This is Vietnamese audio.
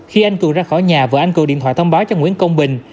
khi anh cường ra khỏi nhà vợ anh cường điện thoại thông báo cho nguyễn công bình